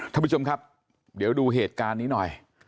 ท่านผู้ชมครับเดี๋ยวดูเหตุการณ์นี้หน่อย